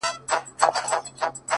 • اوس د چا پر پلونو پل نږدم بېرېږم،